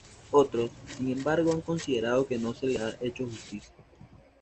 Otros, sin embargo, han considerado que no se le ha hecho justicia.